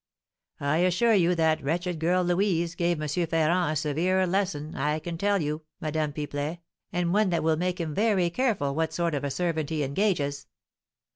I assure you that wretched girl, Louise, gave M. Ferrand a severe lesson, I can tell you, Madame Pipelet, and one that will make him very careful what sort of a servant he engages.